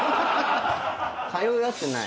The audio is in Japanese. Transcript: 通い合ってない。